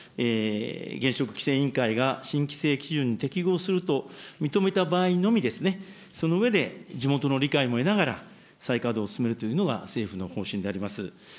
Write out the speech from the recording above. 原子力規制委員会が新規制基準に適合すると認めた場合のみですね、その上で、地元の理解も得ながら、再稼働を進めるというのが政府の方針であります。